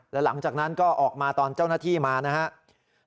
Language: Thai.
แล้วหลังจากนั้นก็ออกมาตอนเจ้าหน้าที่มานะครับ